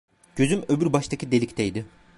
Gözüm öbür baştaki delikteydi.